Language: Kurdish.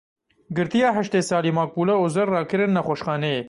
Girtiya heştê salî Makbule Ozer rakirin nexweşxaneyê.